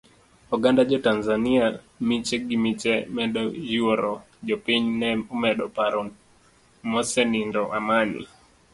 Oganda jo tanzania miche gimiche medo yuoro jopiny ne omedo paro mosenindo Amani.